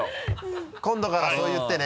今度からそう言ってね。